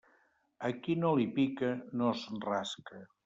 A qui no li pica, no es rasca.